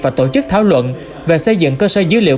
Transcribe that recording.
và tổ chức thảo luận về xây dựng cơ sở dữ liệu